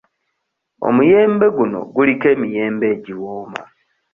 Omuyembe guno guliko emiyembe egiwooma.